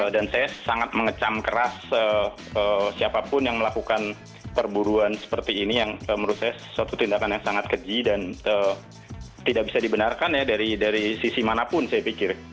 dan saya sangat mengecam keras siapapun yang melakukan perburuan seperti ini yang menurut saya suatu tindakan yang sangat keji dan tidak bisa dibenarkan ya dari sisi manapun saya pikir